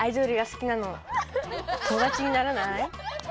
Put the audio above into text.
友だちにならない？